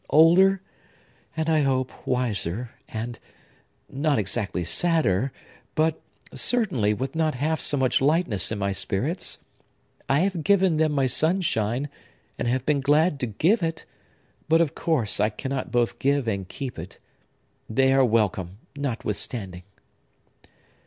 Older, and, I hope, wiser, and,—not exactly sadder,—but, certainly, with not half so much lightness in my spirits! I have given them my sunshine, and have been glad to give it; but, of course, I cannot both give and keep it. They are welcome, notwithstanding!"